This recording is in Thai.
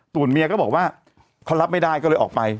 ส่วนเมียก็บอกว่าเขารับไม่ได้ก็เลยออกไป